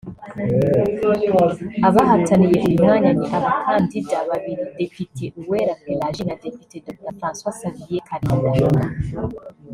Abahataniye uyu mwanya ni abakandida babiri Depite Uwera Pélagie na Depite Dr François Xavier Kalinda